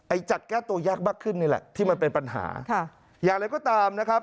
จัดแก้ตัวยากมากขึ้นนี่แหละที่มันเป็นปัญหาค่ะอย่างไรก็ตามนะครับ